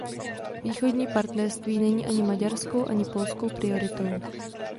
Východní partnerství není ani maďarskou, ani polskou prioritou.